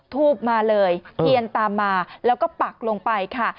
ทูบมาเลยเทียนตามมาแล้วก็ปักลงไปค่ะ